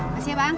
masih ya bang